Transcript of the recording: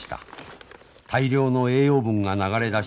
大量の栄養分が流れ出し